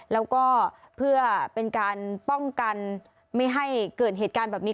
แล้วก็เพื่อเป็นการป้องกันไม่ให้เกิดเหตุการณ์แบบนี้